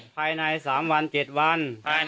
ภายใน๓วัน๗วัน